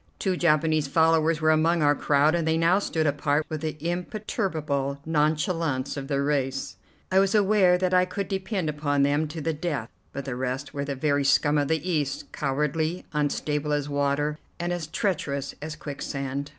Two Japanese followers were among our crowd, and they now stood apart with the imperturbable nonchalance of their race. I was aware that I could depend upon them to the death; but the rest were the very scum of the East, cowardly, unstable as water, and as treacherous as quicksand.